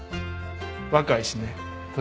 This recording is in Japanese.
若いしね年